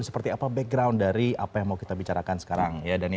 seperti apa background dari apa yang mau kita bicarakan sekarang